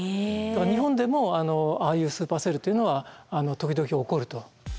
だから日本でもああいうスーパーセルというのは時々起こると。